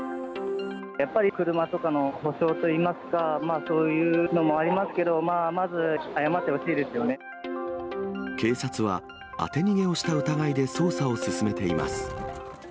やっぱり車とかの補償といいますか、そういうのもありますけど、警察は、当て逃げをした疑いで捜査を進めています。